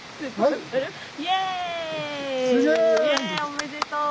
おめでとう！